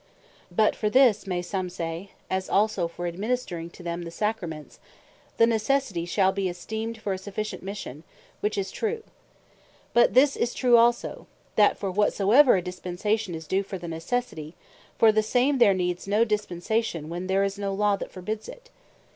But for this may some say, as also for administring to them the Sacraments, the necessity shall be esteemed for a sufficient Mission; which is true: But this is true also, that for whatsoever, a dispensation is due for the necessity, for the same there needs no dispensation, when there is no Law that forbids it.